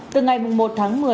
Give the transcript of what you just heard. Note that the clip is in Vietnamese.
từ ngày một tháng một mươi